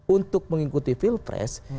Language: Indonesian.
untuk mengikuti pilpres